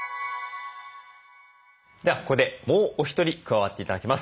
ではここでもうお一人加わって頂きます。